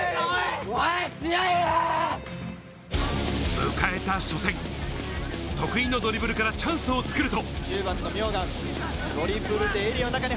迎えた初戦、得意のドリブルからチャンスを作ると。